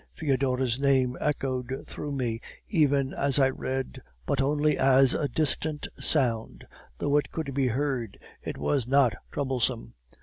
Foedora's name echoed through me even as I read, but only as a distant sound; though it could be heard, it was not troublesome.